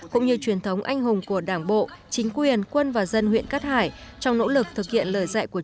cũng như truyền thống anh hùng của đảng bộ chính quyền quân và dân huyện cát hải trong nỗ lực thực hiện lời dạy của